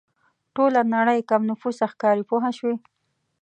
ټوله نړۍ کم نفوسه ښکاري پوه شوې!.